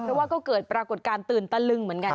เพราะว่าก็เกิดปรากฏการณ์ตื่นตะลึงเหมือนกัน